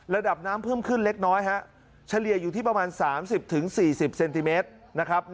ระดับน้ำเพิ่มขึ้นเล็กน้อยฮะเฉลี่ยอยู่ที่ประมาณ๓๐๔๐เซนติเมตรนะครับ